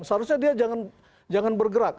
seharusnya dia jangan bergerak